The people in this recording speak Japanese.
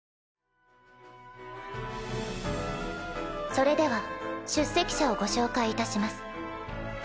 それでは出席者をご紹介いたします。